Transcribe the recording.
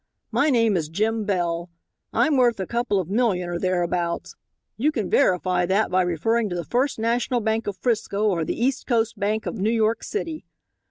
My name is Jim Bell. I'm worth a couple of million or thereabouts. You can verify that by referring to the First National Bank of 'Frisco, or the East Coast Bank of New York City.